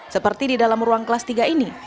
seperti di dalam ruang kelas tiga ini